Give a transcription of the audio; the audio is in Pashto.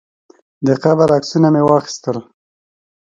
د قبر عکسونه مې واخیستل.